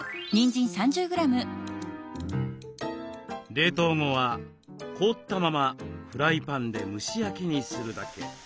冷凍後は凍ったままフライパンで蒸し焼きにするだけ。